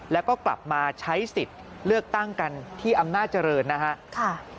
แล้วก็กลับมาใช้สิทธิ์เลือกตั้งกันที่อำนาจเจริญนะฮะ